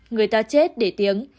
người ta chết để tiếng